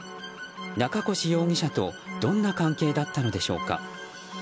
中越容疑者とどんな関係だったのでしょうか。